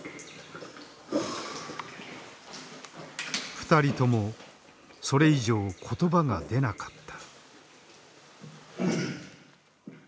２人ともそれ以上言葉が出なかった。